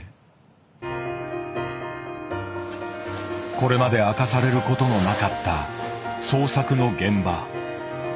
これまで明かされることのなかった創作の現場。